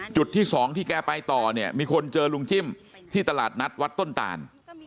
จุดที่สองที่แกไปต่อเนี่ยมีคนเจอลุงจิ้มที่ตลาดนัดวัดต้นตาน